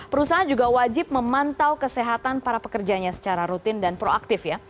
perusahaan juga wajib memantau kesehatan para pekerjanya secara rutin dan proaktif ya